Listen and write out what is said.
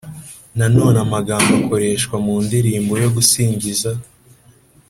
Nanone amagambo akoreshwa mu ndirimbo yo gusingiza